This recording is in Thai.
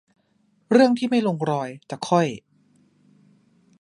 เรื่องที่ไม่ลงรอยจะค่อย